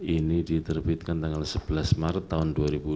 ini diterbitkan tanggal sebelas maret tahun dua ribu dua puluh